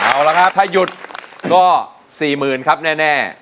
เอาละครับถ้าหยุดก็๔๐๐๐ครับแน่